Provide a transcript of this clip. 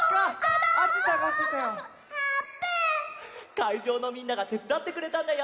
かいじょうのみんながてつだってくれたんだよ！